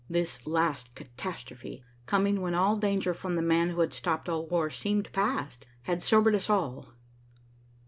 This last catastrophe, coming when all danger from the man who had stopped all war seemed past, had sobered us all.